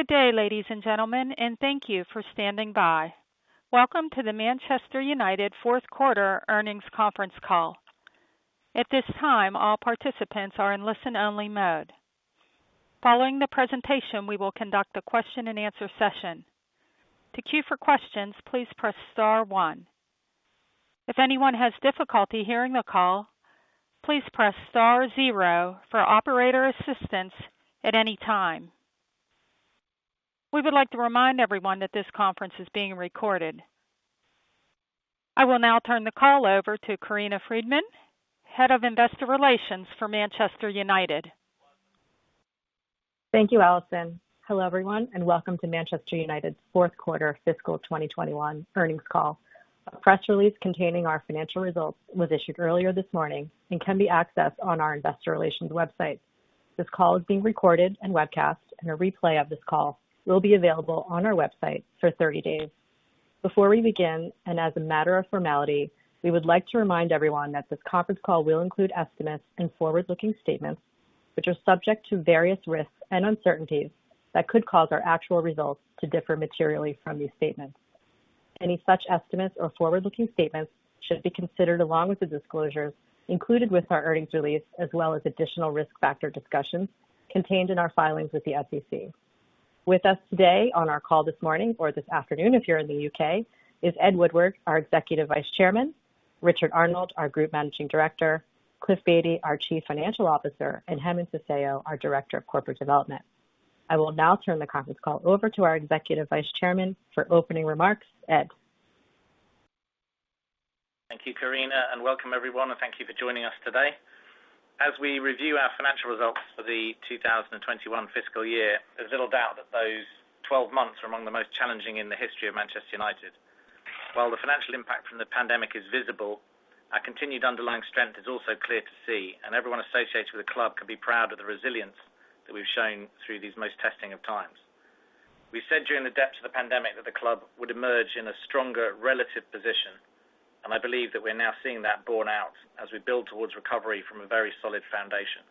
Good day, ladies and gentlemen. Thank you for standing by. Welcome to the Manchester United fourth quarter earnings conference call. At this time, all participants are in listen-only mode. Following the presentation, we will conduct a question-and-answer session. To queue for questions, please press star one. If anyone has difficulty hearing the call, please press star zero for operator assistance at any time. We would like to remind everyone that this conference is being recorded. I will now turn the call over to Corinna Freedman, Head of Investor Relations for Manchester United. Thank you, Allison. Hello, everyone, and welcome to Manchester United's fourth quarter fiscal 2021 earnings call. A press release containing our financial results was issued earlier this morning and can be accessed on our investor relations website. This call is being recorded and webcast, and a replay of this call will be available on our website for 30 days. Before we begin, and as a matter of formality, we would like to remind everyone that this conference call will include estimates and forward-looking statements, which are subject to various risks and uncertainties that could cause our actual results to differ materially from these statements. Any such estimates or forward-looking statements should be considered along with the disclosures included with our earnings release, as well as additional risk factor discussions contained in our filings with the SEC. With us today on our call this morning, or this afternoon, if you're in the U.K., is Ed Woodward, our Executive Vice Chairman, Richard Arnold, our Group Managing Director, Cliff Baty, our Chief Financial Officer, and Hemen Tseayo, our Director of Corporate Development. I will now turn the conference call over to our Executive Vice Chairman for opening remarks. Ed. Thank you, Corinna, and welcome everyone, and thank you for joining us today. As we review our financial results for the 2021 fiscal year, there's little doubt that those 12 months are among the most challenging in the history of Manchester United. While the financial impact from the pandemic is visible, our continued underlying strength is also clear to see, and everyone associated with the club can be proud of the resilience that we've shown through these most testing of times. We said during the depths of the pandemic that the club would emerge in a stronger relative position, and I believe that we're now seeing that borne out as we build towards recovery from a very solid foundation.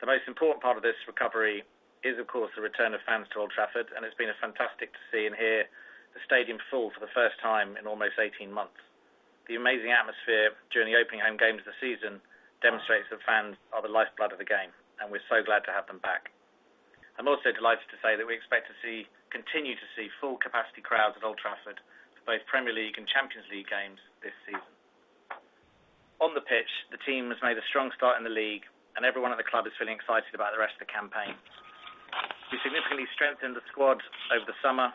The most important part of this recovery is, of course, the return of fans to Old Trafford, and it's been fantastic to see and hear the stadium full for the first time in almost 18 months. The amazing atmosphere during the opening home game of the season demonstrates that fans are the lifeblood of the game, and we're so glad to have them back. I'm also delighted to say that we expect to continue to see full capacity crowds at Old Trafford for both Premier League and Champions League games this season. On the pitch, the team has made a strong start in the league and everyone at the club is feeling excited about the rest of the campaign. We significantly strengthened the squad over the summer.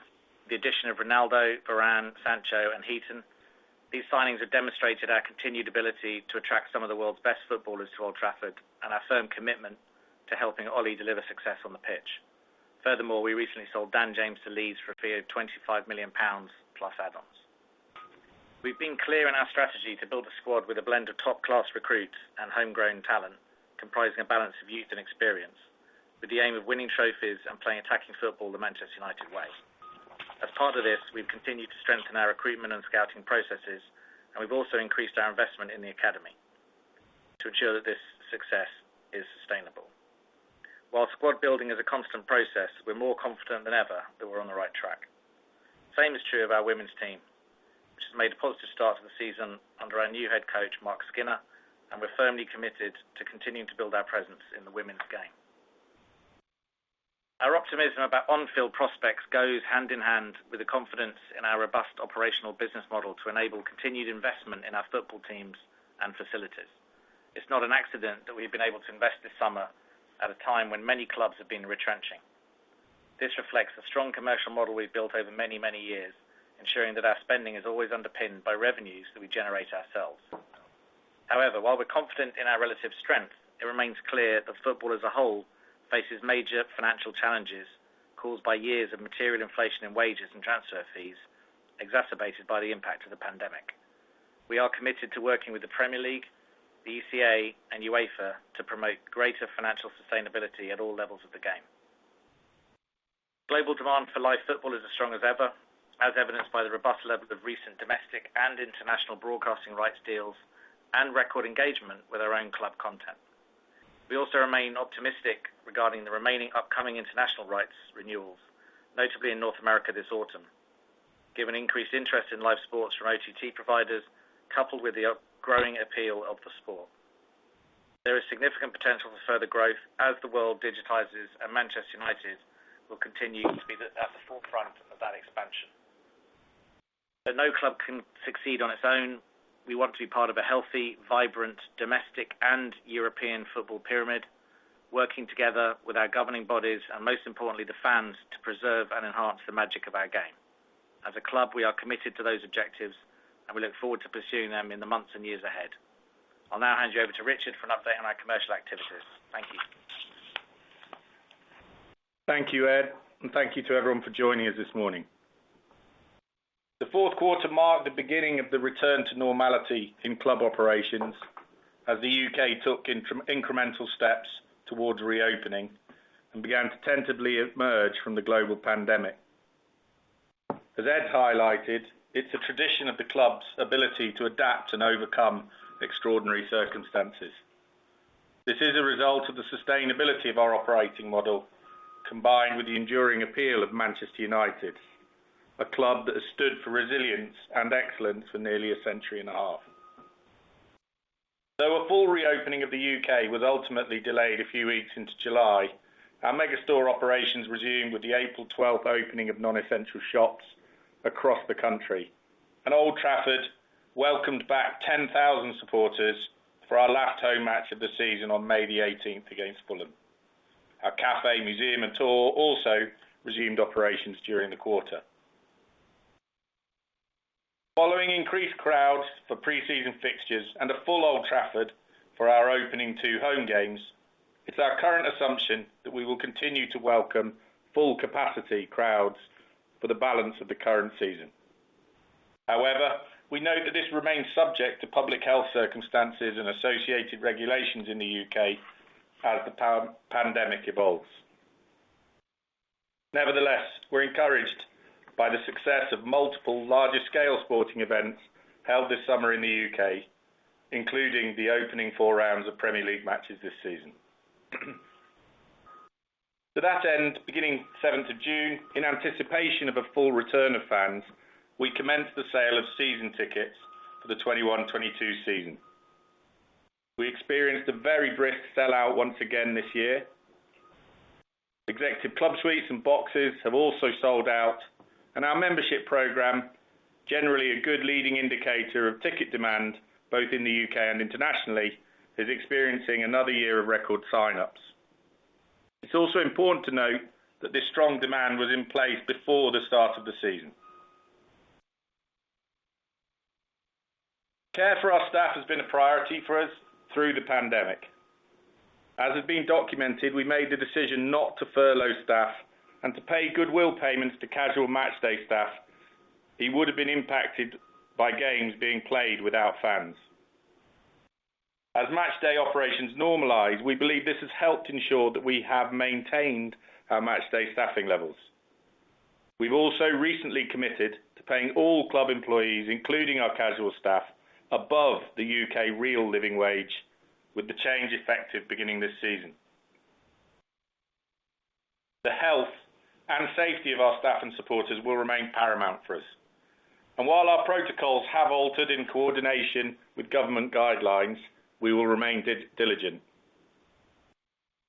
The addition of Ronaldo, Varane, Sancho, and Heaton. These signings have demonstrated our continued ability to attract some of the world's best footballers to Old Trafford and our firm commitment to helping Ole deliver success on the pitch. Furthermore, we recently sold Dan James to Leeds for a fee of 25 million pounds, plus add-ons. We've been clear in our strategy to build a squad with a blend of top-class recruits and homegrown talent, comprising a balance of youth and experience with the aim of winning trophies and playing attacking football the Manchester United way. As part of this, we've continued to strengthen our recruitment and scouting processes, and we've also increased our investment in the academy to ensure that this success is sustainable. While squad building is a constant process, we're more confident than ever that we're on the right track. Same is true of our women's team, which has made a positive start to the season under our new head coach, Marc Skinner, and we're firmly committed to continuing to build our presence in the women's game. Our optimism about on-field prospects goes hand in hand with the confidence in our robust operational business model to enable continued investment in our football teams and facilities. It's not an accident that we've been able to invest this summer at a time when many clubs have been retrenching. This reflects the strong commercial model we've built over many, many years, ensuring that our spending is always underpinned by revenues that we generate ourselves. However, while we're confident in our relative strength, it remains clear that football as a whole faces major financial challenges caused by years of material inflation in wages and transfer fees, exacerbated by the impact of the pandemic. We are committed to working with the Premier League, the ECA, and UEFA to promote greater financial sustainability at all levels of the game. Global demand for live football is as strong as ever, as evidenced by the robust level of recent domestic and international broadcasting rights deals and record engagement with our own club content. We also remain optimistic regarding the remaining upcoming international rights renewals, notably in North America this autumn. Given increased interest in live sports from OTT providers, coupled with the growing appeal of the sport, there is significant potential for further growth as the world digitizes and Manchester United will continue to be at the forefront of that expansion. No club can succeed on its own. We want to be part of a healthy, vibrant, domestic, and European football pyramid, working together with our governing bodies and most importantly, the fans, to preserve and enhance the magic of our game. As a club, we are committed to those objectives and we look forward to pursuing them in the months and years ahead. I'll now hand you over to Richard for an update on our commercial activities. Thank you. Thank you, Ed, and thank you to everyone for joining us this morning. The fourth quarter marked the beginning of the return to normality in club operations as the U.K. took incremental steps towards reopening and began to tentatively emerge from the global pandemic. As Ed highlighted, it's a tradition of the club's ability to adapt and overcome extraordinary circumstances. This is a result of the sustainability of our operating model, combined with the enduring appeal of Manchester United, a club that has stood for resilience and excellence for nearly a century and a half. Though a full reopening of the U.K. was ultimately delayed a few weeks into July, our mega store operations resumed with the April 12th opening of non-essential shops across the country. Old Trafford welcomed back 10,000 supporters for our last home match of the season on May the 18th against Fulham. Our café, museum, and tour also resumed operations during the quarter. Following increased crowds for preseason fixtures and a full Old Trafford for our opening two home games, it's our current assumption that we will continue to welcome full capacity crowds for the balance of the current season. However, we note that this remains subject to public health circumstances and associated regulations in the U.K. as the pandemic evolves. Nevertheless, we're encouraged by the success of multiple larger scale sporting events held this summer in the U.K., including the opening four rounds of Premier League matches this season. To that end, beginning the 7th of June, in anticipation of a full return of fans, we commenced the sale of season tickets for the 2021-2022 season. We experienced a very brisk sell-out once again this year. Executive club suites and boxes have also sold out, and our membership program, generally a good leading indicator of ticket demand, both in the U.K. and internationally, is experiencing another year of record sign-ups. It's also important to note that this strong demand was in place before the start of the season. Care for our staff has been a priority for us through the pandemic. As has been documented, we made the decision not to furlough staff and to pay goodwill payments to casual match day staff who would have been impacted by games being played without fans. As match day operations normalize, we believe this has helped ensure that we have maintained our match day staffing levels. We've also recently committed to paying all club employees, including our casual staff, above the UK Real Living Wage, with the change effective beginning this season. The health and safety of our staff and supporters will remain paramount for us. While our protocols have altered in coordination with government guidelines, we will remain diligent.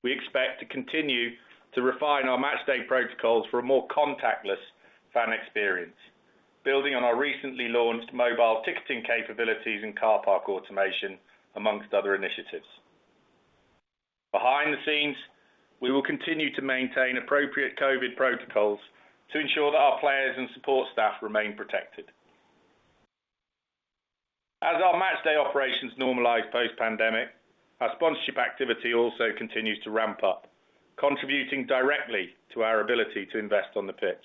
We expect to continue to refine our match day protocols for a more contactless fan experience, building on our recently launched mobile ticketing capabilities and car park automation, amongst other initiatives. Behind the scenes, we will continue to maintain appropriate COVID protocols to ensure that our players and support staff remain protected. As our match day operations normalize post-pandemic, our sponsorship activity also continues to ramp up, contributing directly to our ability to invest on the pitch.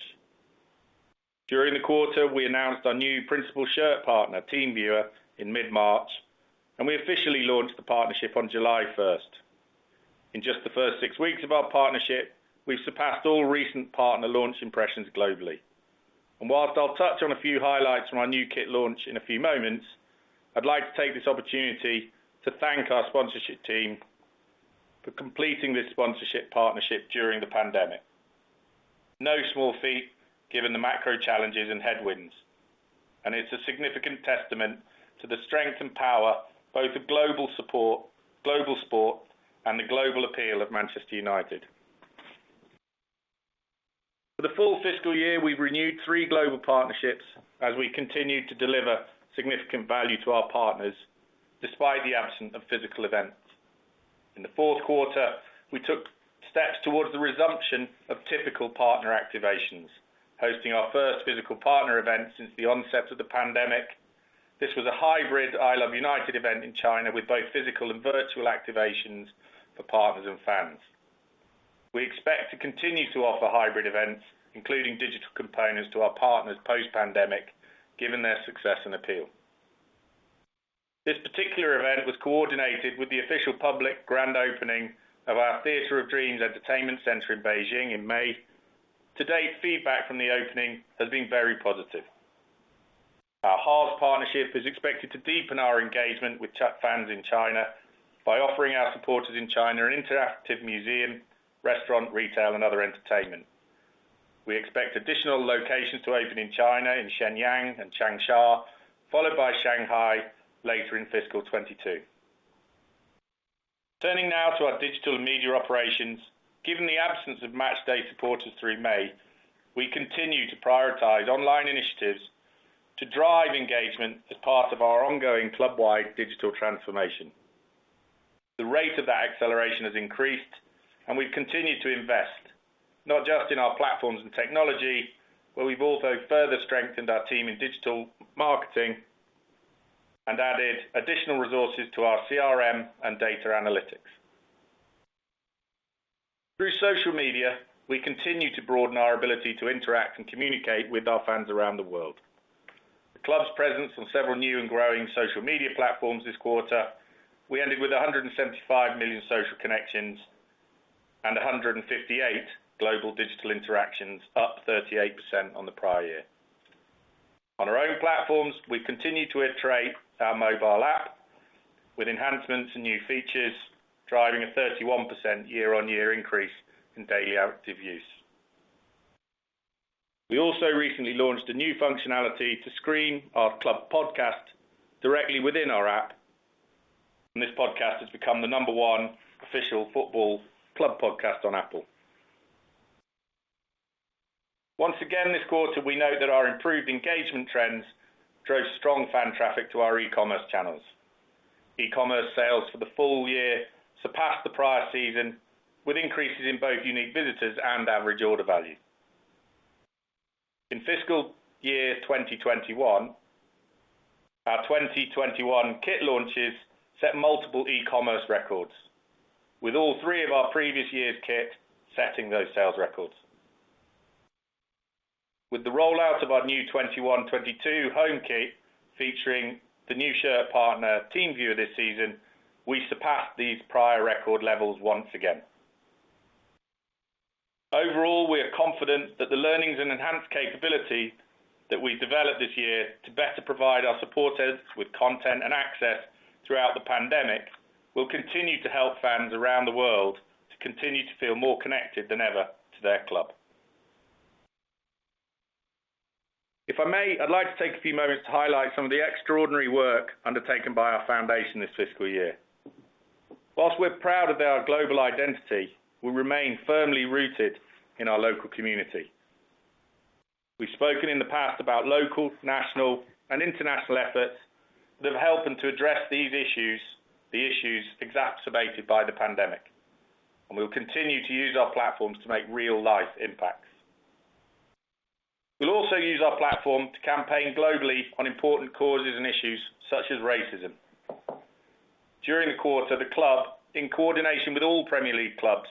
During the quarter, we announced our new principal shirt partner, TeamViewer, in mid-March, and we officially launched the partnership on July 1st. In just the first six weeks of our partnership, we've surpassed all recent partner launch impressions globally. Whilst I'll touch on a few highlights from our new kit launch in a few moments, I'd like to take this opportunity to thank our sponsorship team for completing this sponsorship partnership during the pandemic. No small feat, given the macro challenges and headwinds, and it's a significant testament to the strength and power, both of global sport and the global appeal of Manchester United. For the full fiscal year, we renewed three global partnerships as we continued to deliver significant value to our partners, despite the absence of physical events. In the fourth quarter, we took steps towards the resumption of typical partner activations, hosting our first physical partner event since the onset of the pandemic. This was a hybrid #ILOVEUNITED event in China, with both physical and virtual activations for partners and fans. We expect to continue to offer hybrid events, including digital components to our partners post-pandemic, given their success and appeal. This particular event was coordinated with the official public grand opening of our Theatre of Dreams entertainment center in Beijing in May. To date, feedback from the opening has been very positive. Our Harves partnership is expected to deepen our engagement with fans in China by offering our supporters in China an interactive museum, restaurant, retail, and other entertainment. We expect additional locations to open in China, in Shenyang and Changsha, followed by Shanghai later in FY 2022. Turning now to our digital and media operations. Given the absence of match day supporters through May, we continue to prioritize online initiatives to drive engagement as part of our ongoing club-wide digital transformation. The rate of that acceleration has increased, and we've continued to invest, not just in our platforms and technology, but we've also further strengthened our team in digital marketing and added additional resources to our CRM and data analytics. Through social media, we continue to broaden our ability to interact and communicate with our fans around the world, presence on several new and growing social media platforms this quarter. We ended with 175 million social connections and 158 global digital interactions, up 38% on the prior year. On our own platforms, we've continued to iterate our mobile app with enhancements and new features, driving a 31% year-on-year increase in daily active use. We also recently launched a new functionality to screen our club podcast directly within our app, and this podcast has become the number one official football club podcast on Apple. Once again this quarter, we know that our improved engagement trends drove strong fan traffic to our e-commerce channels. E-commerce sales for the full-year surpassed the prior season, with increases in both unique visitors and average order value. In fiscal year 2021, our 2021 kit launches set multiple e-commerce records, with all three of our previous year's kit setting those sales records. With the rollout of our new 2021/2022 home kit, featuring the new shirt partner TeamViewer this season, we surpassed these prior record levels once again. Overall, we are confident that the learnings and enhanced capability that we've developed this year to better provide our supporters with content and access throughout the pandemic, will continue to help fans around the world to continue to feel more connected than ever to their club. If I may, I'd like to take a few moments to highlight some of the extraordinary work undertaken by our foundation this fiscal year. Whilst we're proud of our global identity, we remain firmly rooted in our local community. We've spoken in the past about local, national, and international efforts that have helped to address these issues, the issues exacerbated by the pandemic, and we will continue to use our platforms to make real life impacts. We'll also use our platform to campaign globally on important causes and issues such as racism. During the quarter, the club, in coordination with all Premier League clubs,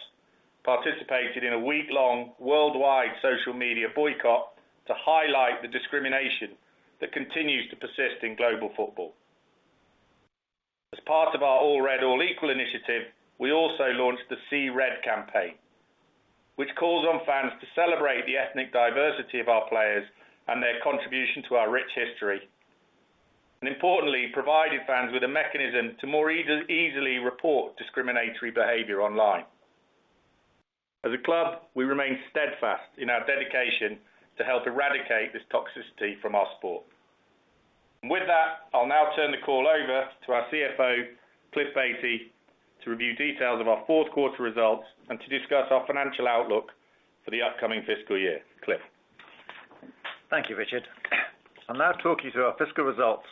participated in a week-long worldwide social media boycott to highlight the discrimination that continues to persist in global football. As part of our All Red All Equal initiative, we also launched the See Red campaign, which calls on fans to celebrate the ethnic diversity of our players and their contribution to our rich history. Importantly, provided fans with a mechanism to more easily report discriminatory behavior online. As a club, we remain steadfast in our dedication to help eradicate this toxicity from our sport. With that, I'll now turn the call over to our CFO, Cliff Baty, to review details of our fourth quarter results and to discuss our financial outlook for the upcoming fiscal year. Cliff? Thank you, Richard. I'll now talk you through our fiscal results,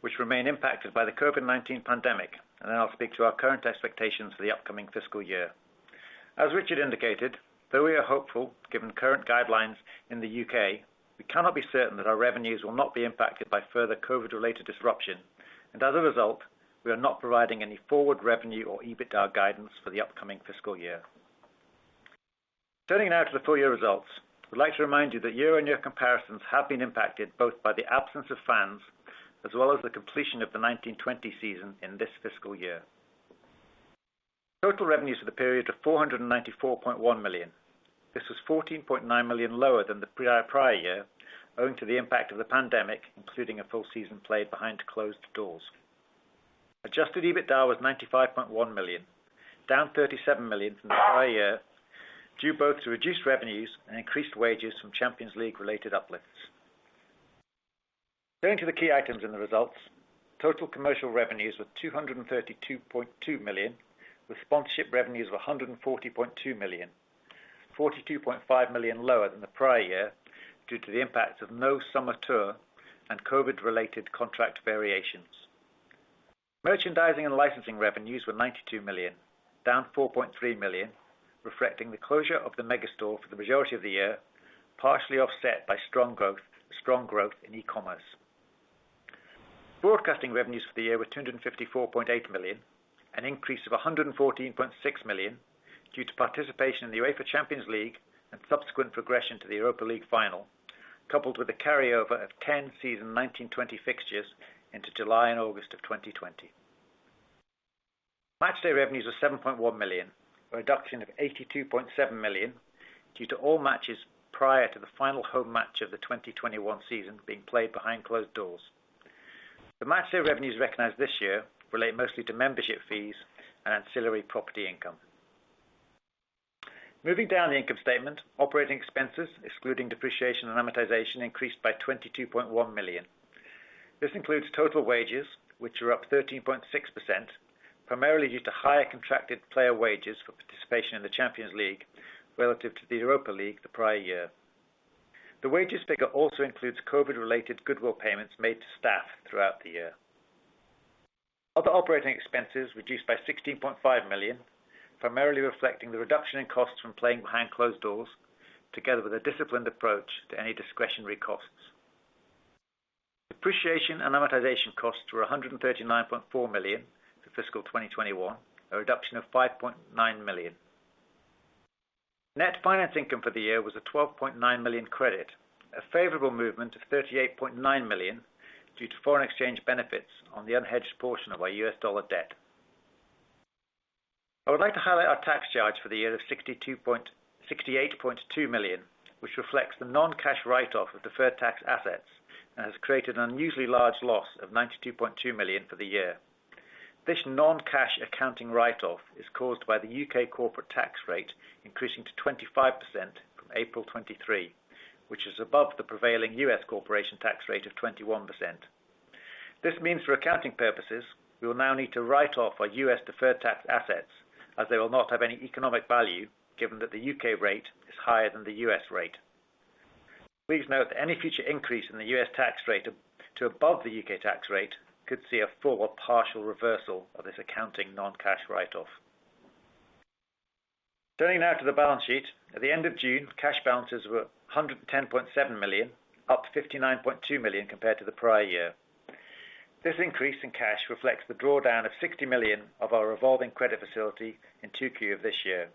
which remain impacted by the COVID-19 pandemic, and then I'll speak to our current expectations for the upcoming fiscal year. As Richard indicated, though we are hopeful, given current guidelines in the U.K., we cannot be certain that our revenues will not be impacted by further COVID-related disruption. As a result, we are not providing any forward revenue or EBITDA guidance for the upcoming fiscal year. Turning now to the full-year results. I would like to remind you that year-on-year comparisons have been impacted both by the absence of fans as well as the completion of the 2019/2020 season in this fiscal year. Total revenues for the period are 494.1 million. This was 14.9 million lower than the prior year, owing to the impact of the pandemic, including a full season played behind closed doors. Adjusted EBITDA was 95.1 million, down 37 million from the prior year due both to reduced revenues and increased wages from Champions League-related uplifts. Turning to the key items in the results. Total commercial revenues were 232.2 million, with sponsorship revenues of 140.2 million, 42.5 million lower than the prior year due to the impacts of no summer tour and COVID-related contract variations. Merchandising and licensing revenues were 92 million, down 4.3 million, reflecting the closure of the megastore for the majority of the year, partially offset by strong growth in e-commerce. Broadcasting revenues for the year were 254.8 million, an increase of 114.6 million due to participation in the UEFA Champions League and subsequent progression to the Europa League final, coupled with a carryover of 10 season 2019/2020 fixtures into July and August of 2020. Matchday revenues were 7.1 million, a reduction of 82.7 million, due to all matches prior to the final home match of the 2020/2021 season being played behind closed doors. The matchday revenues recognized this year relate mostly to membership fees and ancillary property income. Moving down the income statement, operating expenses excluding depreciation and amortization increased by 22.1 million. This includes total wages, which were up 13.6%, primarily due to higher contracted player wages for participation in the Champions League relative to the Europa League the prior year. The wages figure also includes COVID-related goodwill payments made to staff throughout the year. Other operating expenses reduced by 16.5 million, primarily reflecting the reduction in costs from playing behind closed doors, together with a disciplined approach to any discretionary costs. Depreciation and amortization costs were 139.4 million for fiscal 2021, a reduction of 5.9 million. Net finance income for the year was a 12.9 million credit, a favorable movement of 38.9 million due to foreign exchange benefits on the unhedged portion of our US dollar debt. I would like to highlight our tax charge for the year of 68.2 million, which reflects the non-cash write-off of deferred tax assets and has created an unusually large loss of 92.2 million for the year. This non-cash accounting write-off is caused by the U.K. corporate tax rate increasing to 25% from April 2023, which is above the prevailing U.S. corporation tax rate of 21%. This means for accounting purposes, we will now need to write off our U.S. deferred tax assets as they will not have any economic value, given that the U.K. rate is higher than the U.S. rate. Please note any future increase in the U.S. tax rate to above the U.K. tax rate could see a full or partial reversal of this accounting non-cash write-off. Turning now to the balance sheet. At the end of June, cash balances were 110.7 million, up 59.2 million compared to the prior year. This increase in cash reflects the drawdown of 60 million of our revolving credit facility in Q2 of this year.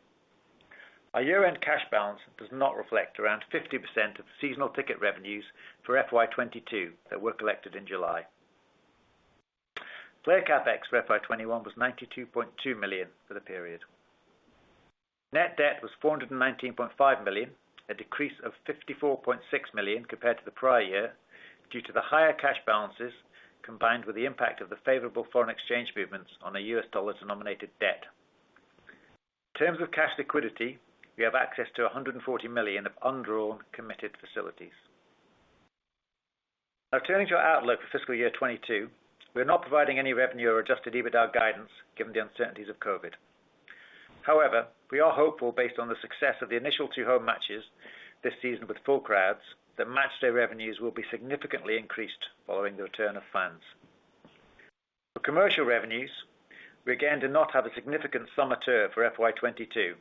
Our year-end cash balance does not reflect around 50% of seasonal ticket revenues for FY 2022 that were collected in July. Player CapEx for FY 2021 was GBP 92.2 million for the period. Net debt was GBP 419.5 million, a decrease of GBP 54.6 million compared to the prior year due to the higher cash balances, combined with the impact of the favorable foreign exchange movements on the US dollar-denominated debt. In terms of cash liquidity, we have access to 140 million of undrawn committed facilities. Now turning to our outlook for fiscal year 2022, we are not providing any revenue or adjusted EBITDA guidance given the uncertainties of COVID-19. However, we are hopeful based on the success of the initial two home matches this season with full crowds, that match day revenues will be significantly increased following the return of fans. For commercial revenues, we again did not have a significant summer tour for FY2022.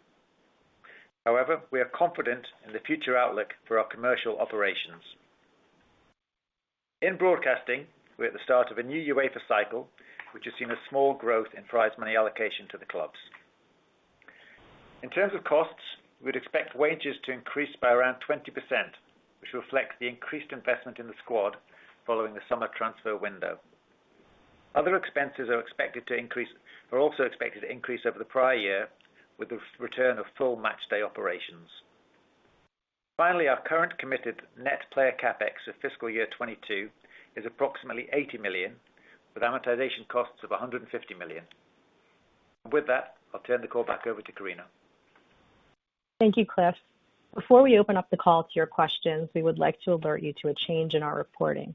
However, we are confident in the future outlook for our commercial operations. In broadcasting, we are at the start of a new UEFA cycle, which has seen a small growth in prize money allocation to the clubs. In terms of costs, we'd expect wages to increase by around 20%, which reflects the increased investment in the squad following the summer transfer window. Other expenses are also expected to increase over the prior year with the return of full match day operations. Finally, our current committed net player CapEx for fiscal year 2022 is approximately 80 million, with amortization costs of 150 million. With that, I'll turn the call back over to Corinna. Thank you, Cliff. Before we open up the call to your questions, we would like to alert you to a change in our reporting.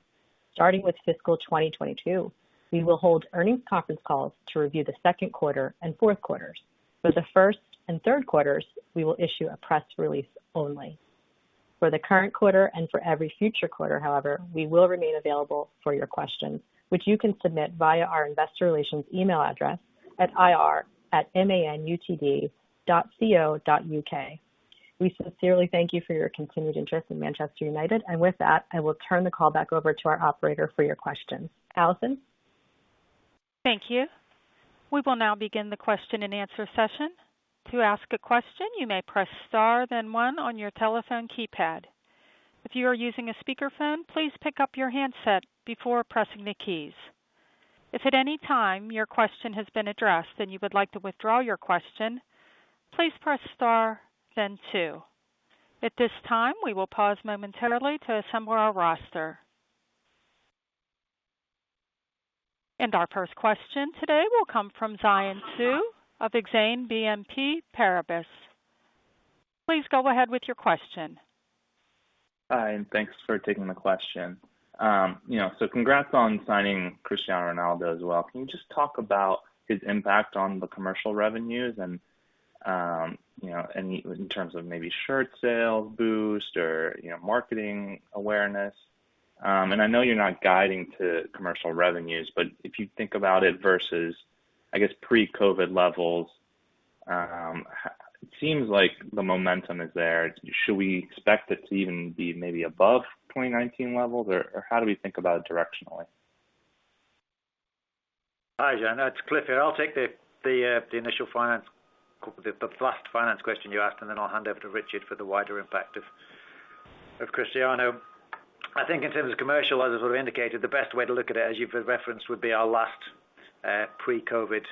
Starting with fiscal 2022, we will hold earnings conference calls to review the second quarter and fourth quarters. For the first and third quarters, we will issue a press release only. For the current quarter and for every future quarter, however, we will remain available for your questions, which you can submit via our investor relations email address at ir@manutd.co.uk. We sincerely thank you for your continued interest in Manchester United. With that, I will turn the call back over to our operator for your questions. Allison? Thank you. We will now begin the question and answer session. At this time, we will pause momentarily to assemble our roster. Our first question today will come from Xian Siew of Exane BNP Paribas. Please go ahead with your question. Hi. Thanks for taking the question. Congrats on signing Cristiano Ronaldo as well. Can you just talk about his impact on the commercial revenues and in terms of maybe shirt sales boost or marketing awareness? I know you're not guiding to commercial revenues, but if you think about it versus, I guess, pre-COVID levels, it seems like the momentum is there. Should we expect it to even be maybe above 2019 levels? How do we think about it directionally? Hi, Xian. It's Cliff here. I'll take the last finance question you asked, and then I'll hand over to Richard for the wider impact of Cristiano. I think in terms of commercial, as I sort of indicated, the best way to look at it, as you've referenced, would be our last pre-COVID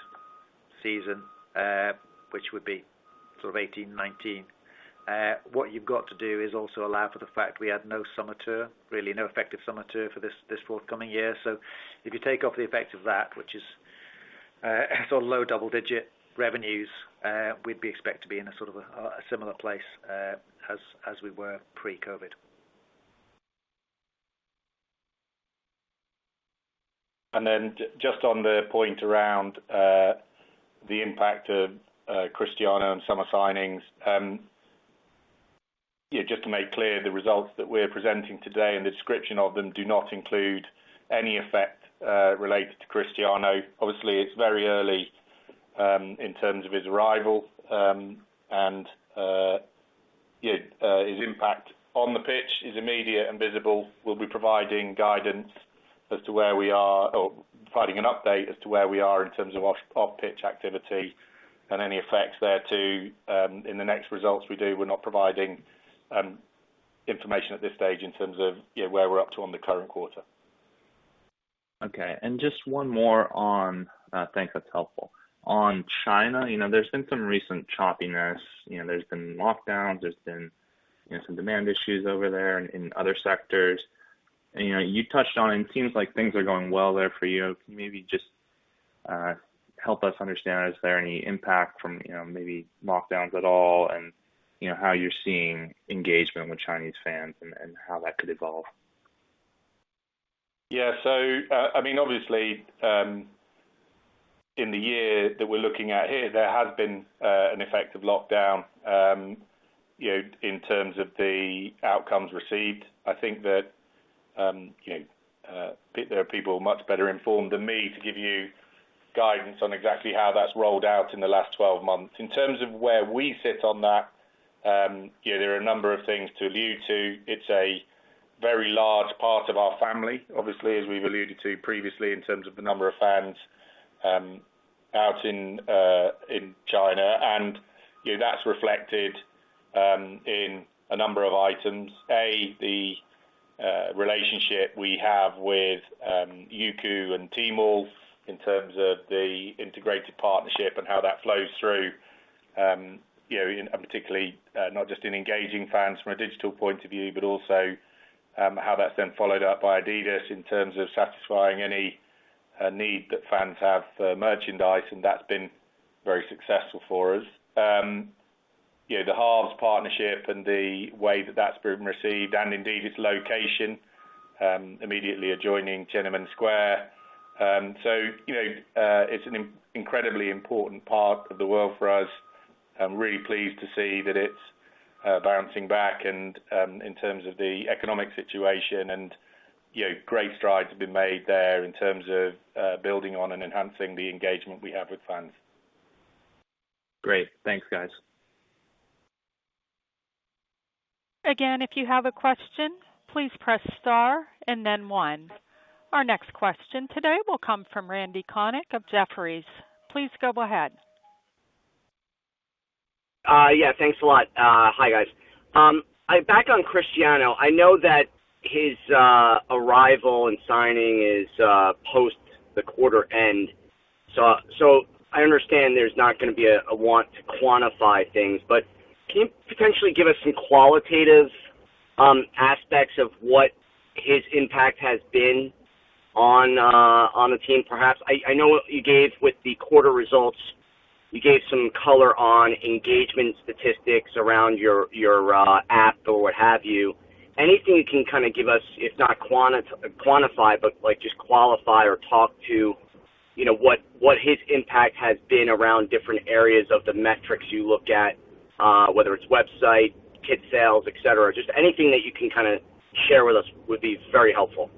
season, which would be sort of 2018/2019. What you've got to do is also allow for the fact we had no summer tour, really no effective summer tour for this forthcoming year. If you take off the effect of that, which is sort of low double-digit revenues, we'd be expect to be in a sort of a similar place as we were pre-COVID. Just on the point around the impact of Cristiano and summer signings. Just to make clear, the results that we're presenting today and the description of them do not include any effect related to Cristiano. Obviously, it's very early in terms of his arrival and his impact on the pitch is immediate and visible. We'll be providing guidance as to where we are or providing an update as to where we are in terms of off-pitch activity and any effects there, too, in the next results we do. We're not providing information at this stage in terms of where we're up to on the current quarter. Okay. Just one more. I think that's helpful. On China, there's been some recent choppiness, there's been lockdowns, there's been some demand issues over there in other sectors. You touched on, it seems like things are going well there for you. Can you maybe just help us understand, is there any impact from maybe lockdowns at all and how you're seeing engagement with Chinese fans and how that could evolve? Obviously, in the year that we're looking at here, there has been an effect of lockdown, in terms of the outcomes received. I think that there are people much better informed than me to give you guidance on exactly how that's rolled out in the last 12 months. In terms of where we sit on that, there are a number of things to allude to. It's a very large part of our family, obviously, as we've alluded to previously, in terms of the number of fans out in China. That's reflected in a number of items. A, the relationship we have with Youku and Tmall in terms of the integrated partnership and how that flows through, and particularly, not just in engaging fans from a digital point of view, but also how that's then followed up by Adidas in terms of satisfying any need that fans have for merchandise, and that's been very successful for us. The Harves partnership and the way that that's been received, and indeed, its location, immediately adjoining Tiananmen Square. It's an incredibly important part of the world for us. I'm really pleased to see that it's bouncing back and in terms of the economic situation and great strides have been made there in terms of building on and enhancing the engagement we have with fans. Great. Thanks, guys. Again, if you have a question, please press star and then one. Our next question today will come from Randy Konik of Jefferies. Please go ahead. Yeah. Thanks a lot. Hi, guys. Back on Cristiano, I know that his arrival and signing is post the quarter end. I understand there's not going to be a want to quantify things, but can you potentially give us some qualitative aspects of what his impact has been on the team, perhaps? I know you gave with the quarter results, you gave some color on engagement statistics around your app or what have you. Anything you can kind of give us, if not quantify, but just qualify or talk to what his impact has been around different areas of the metrics you looked at, whether it's website, kit sales, et cetera. Just anything that you can share with us would be very helpful.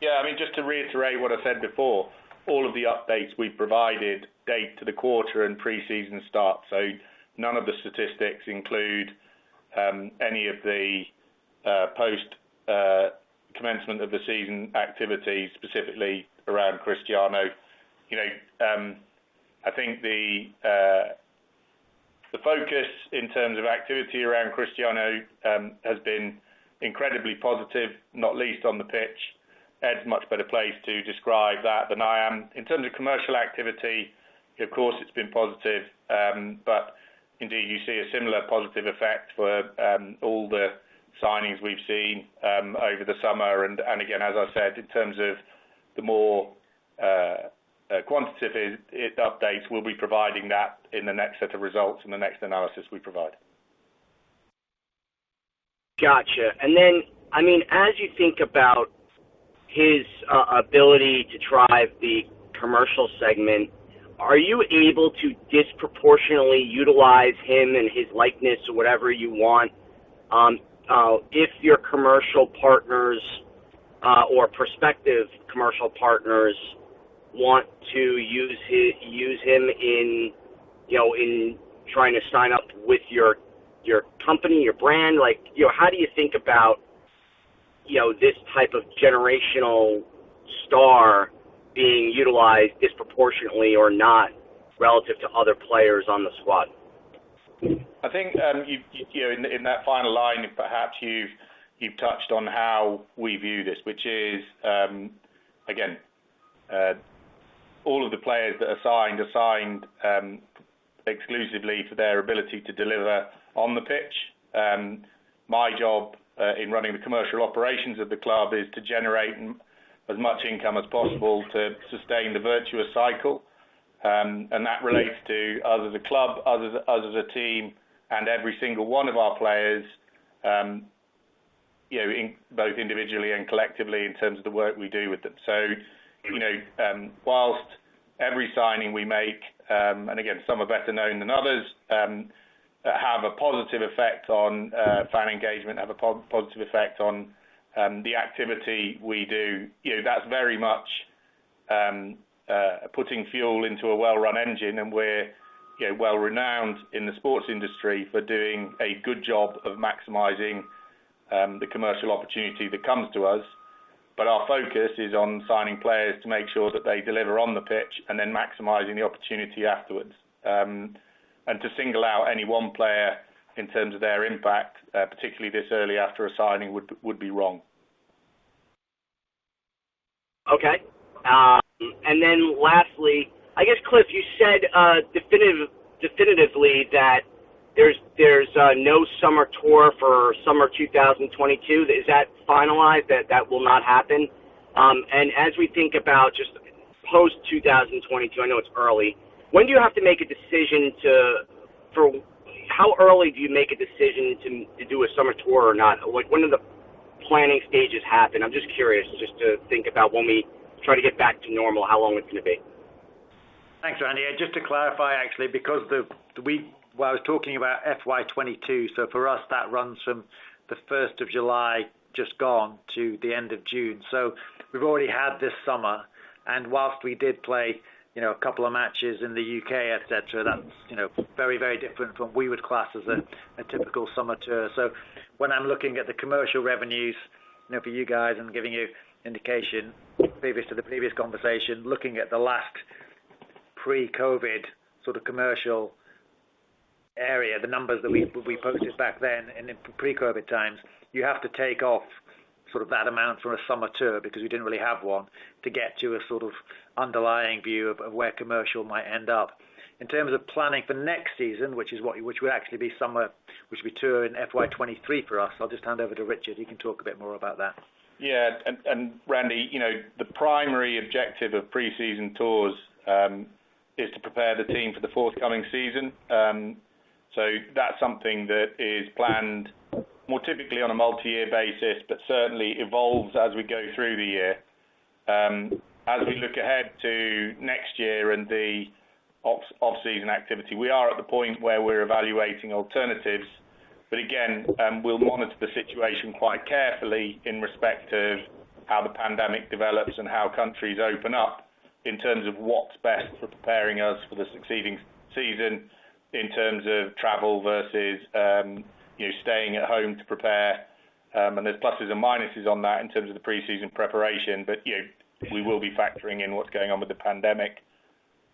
Yeah, just to reiterate what I said before, all of the updates we've provided date to the quarter and preseason start. None of the statistics include any of the post-commencement of the season activity, specifically around Cristiano. I think the focus in terms of activity around Cristiano has been incredibly positive, not least on the pitch. Ed's much better placed to describe that than I am. In terms of commercial activity, of course it's been positive. Indeed, you see a similar positive effect for all the signings we've seen over the summer. Again, as I said, in terms of the more quantitative updates, we'll be providing that in the next set of results, in the next analysis we provide. Got you. Then, as you think about his ability to drive the commercial segment, are you able to disproportionately utilize him and his likeness or whatever you want, if your commercial partners, or prospective commercial partners want to use him in trying to sign up with your company, your brand? How do you think about this type of generational star being utilized disproportionately or not relative to other players on the squad? I think, in that final line, perhaps you've touched on how we view this, which is, again, all of the players that are signed, are signed exclusively to their ability to deliver on the pitch. My job in running the commercial operations of the club is to generate as much income as possible to sustain the virtuous cycle. That relates to us as a club, us as a team, and every single one of our players, both individually and collectively in terms of the work we do with them. Whilst every signing we make, and again, some are better known than others, have a positive effect on fan engagement, have a positive effect on the activity we do, that's very much putting fuel into a well-run engine, and we're well renowned in the sports industry for doing a good job of maximizing the commercial opportunity that comes to us. Our focus is on signing players to make sure that they deliver on the pitch and then maximizing the opportunity afterwards. To single out any one player in terms of their impact, particularly this early after a signing, would be wrong. Okay. Lastly, I guess, Cliff, you said definitively that there's no summer tour for summer 2022. Is that finalized that that will not happen? As we think about just post-2022, I know it's early, how early do you make a decision to do a summer tour or not? When do the planning stages happen? I'm just curious, just to think about when we try to get back to normal, how long it's going to be. Thanks, Randy. Just to clarify, actually, because while I was talking about FY2022, for us, that runs from the 1st of July, just gone, to the end of June. We've already had this summer, and whilst we did play a couple of matches in the U.K., et cetera, that's very different from what we would class as a typical summer tour. When I'm looking at the commercial revenues for you guys and giving you indication previous to the previous conversation, looking at the last pre-COVID commercial area, the numbers that we posted back then in pre-COVID-19 times, you have to take off that amount from a summer tour because we didn't really have one to get to an underlying view of where commercial might end up. In terms of planning for next season, which would actually be summer, which would be tour in FY2023 for us, I'll just hand over to Richard, he can talk a bit more about that. Yeah. Randy, the primary objective of preseason tours is to prepare the team for the forthcoming season. That's something that is planned more typically on a multi-year basis, but certainly evolves as we go through the year. As we look ahead to next year and the off-season activity, we are at the point where we're evaluating alternatives. Again, we'll monitor the situation quite carefully in respect of how the pandemic develops and how countries open up in terms of what's best for preparing us for the succeeding season in terms of travel versus staying at home to prepare. There's pluses and minuses on that in terms of the preseason preparation, but we will be factoring in what's going on with the pandemic.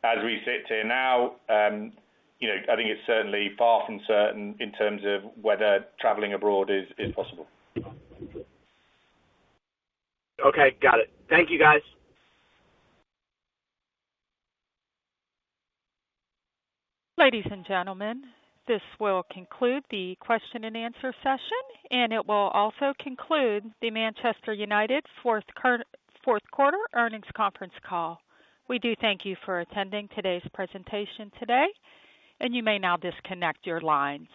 As we sit here now, I think it's certainly far from certain in terms of whether traveling abroad is possible. Okay, got it. Thank you, guys. Ladies and gentlemen, this will conclude the question and answer session, and it will also conclude the Manchester United fourth quarter earnings conference call. We do thank you for attending today's presentation today, and you may now disconnect your lines.